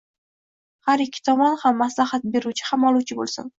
Har ikki tomon ham maslahat beruvchi, ham oluvchi bo‘lsin.